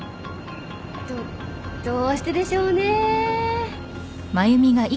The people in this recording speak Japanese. どっどうしてでしょうね。